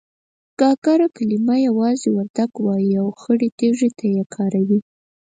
گاگره کلمه يوازې وردگ وايي او خړې تيږې ته يې کاروي.